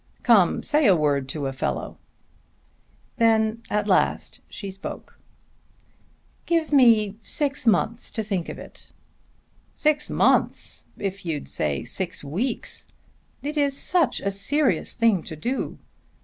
"Come; say a word to a fellow." Then at last she spoke "Give me six months to think of it." "Six months! If you'd say six weeks." "It is such a serious thing to do."